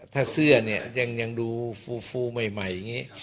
ถ้าเสื้อเนี่ยยังดูฟูใหม่อย่างนี้